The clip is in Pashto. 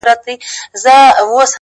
خدايه ژر ځوانيمرگ کړې چي له غمه خلاص سو،